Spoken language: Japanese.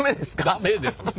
ダメです。